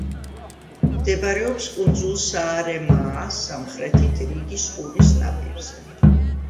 მდებარეობს კუნძულ საარემაას სამხრეთით რიგის ყურის ნაპირზე.